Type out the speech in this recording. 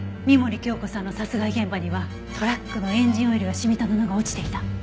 深守教子さんの殺害現場にはトラックのエンジンオイルが染みた布が落ちていた。